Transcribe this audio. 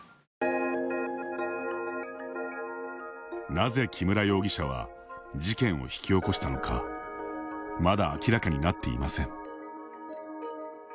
なぜ、木村容疑者は事件を引き起こしたのかまだ明らかになっていません。